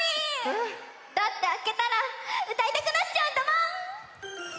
えっ？だってあけたらうたいたくなっちゃうんだもん！